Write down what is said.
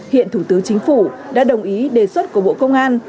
hiện thủ tướng chính phủ đã đồng ý đề xuất của bộ công an